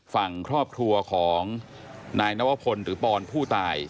ฝั่งครอบครัวของนายนวพลหรือปอนผู้ตาย